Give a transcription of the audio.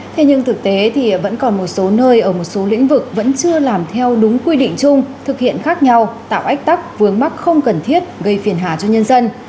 thế nhưng thực tế thì vẫn còn một số nơi ở một số lĩnh vực vẫn chưa làm theo đúng quy định chung thực hiện khác nhau tạo ách tắc vướng mắc không cần thiết gây phiền hà cho nhân dân